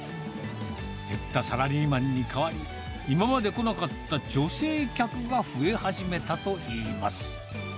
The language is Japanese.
減ったサラリーマンにかわり、今まで来なかった女性客が増え始めたといいます。